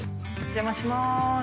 お邪魔します。